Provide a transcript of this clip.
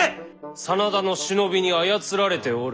真田の忍びに操られておる。